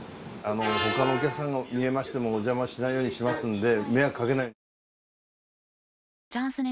他のお客さんが見えましてもお邪魔しないようにしますんで。